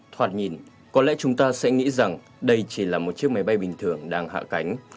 thoạt nhìn có lẽ chúng ta sẽ nghĩ rằng đây chỉ là một chiếc máy bay bình thường đang hạ cánh